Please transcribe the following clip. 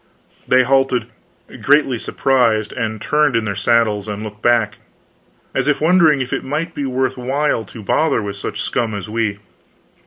They halted, greatly surprised, and turned in their saddles and looked back, as if wondering if it might be worth while to bother with such scum as we.